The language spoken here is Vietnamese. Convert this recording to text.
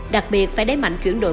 đặc biệt phải đáy mạnh chuyển đổi